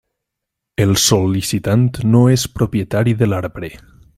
El sol·licitant no és propietari de l'arbre.